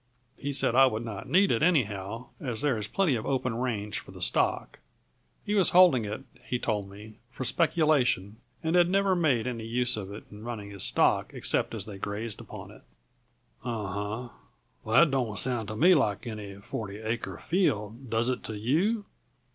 He said I would not need it, anyhow, as there is plenty of open range for the stock. He was holding it, he told me, for speculation and had never made any use of it in running his stock, except as they grazed upon it." "Uh huh. That don't sound to me like any forty acre field; does it to you?"